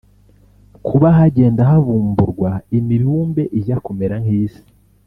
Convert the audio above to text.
Kuba hagenda havumburwa imibumbe ijya kumera nk’isi